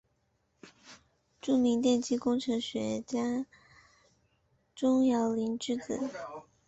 著名电机工程学家钟兆琳之子。